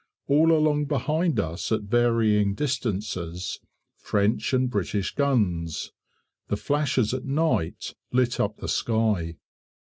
All along behind us at varying distances French and British guns; the flashes at night lit up the sky.